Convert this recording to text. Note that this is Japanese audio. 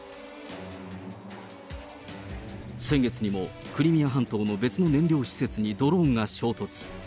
先月にもクリミア半島の別の燃料施設にドローンが衝突。